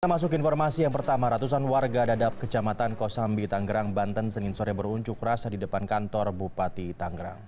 kita masuk informasi yang pertama ratusan warga dadap kecamatan kosambi tanggerang banten senin sore berunjuk rasa di depan kantor bupati tanggerang